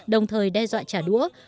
đồng thời đe dọa trả đũa